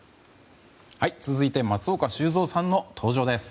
続いて松岡修造さんの登場です。